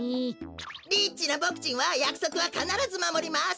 リッチなボクちんはやくそくはかならずまもります。